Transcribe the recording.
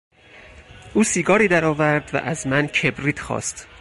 او سیگاری در آورد و از من کبریت خواست.